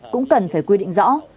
cũng cần phải quy định rõ